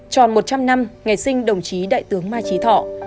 tròn một trăm linh năm ngày sinh đồng chí đại tướng mai trí thọ